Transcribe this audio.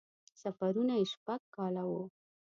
سفرونه یې شپږ کاله وو.